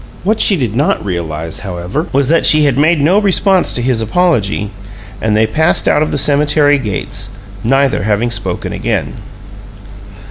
What she did not realize, however, was that she had made no response to his apology, and they passed out of the cemetery gates, neither having spoken again.